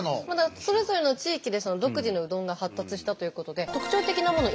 それぞれの地域で独自のうどんが発達したということで特徴的なもの